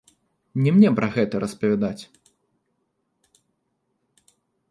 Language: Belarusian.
Не мне пра гэта распавядаць.